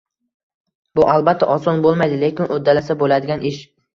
Bu albatta oson boʻlmaydi, lekin uddalasa boʻladigan ish.